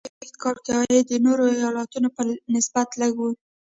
په نولس سوه څلویښت کال کې عاید د نورو ایالتونو په نسبت لږ و.